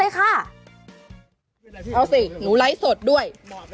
เอาสิหนูไลฟ์สดด้วย